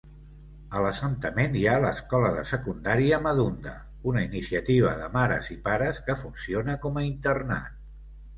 A l'assentament hi ha l'escola de secundària Madunda, una iniciativa de mares i pares que funciona com a internat.